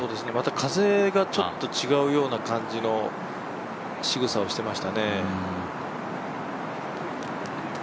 また風がちょっと違うような感じのしぐさをしていましたね。